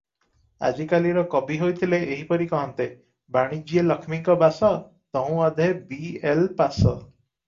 ଆଜିକାଲିର କବି ହୋଇ ଥିଲେ, ଏହିପରି କହନ୍ତେ -''ବାଣିଜ୍ୟେ ଲକ୍ଷ୍ମୀଙ୍କ ବାସ, ତହୁଁ ଅଧେ ବି ଏଲ୍ ପାଶ''